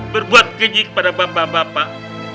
berbuat keji kepada bapak bapak